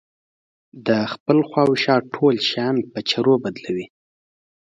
د خپل خواوشا ټول شيان په چرو بدلوي.